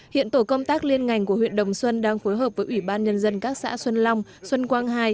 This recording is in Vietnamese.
hiện tổ công tác liên ngành của huyện đồng xuân đang phối hợp với ủy ban nhân dân các xã xuân long xuân quang hai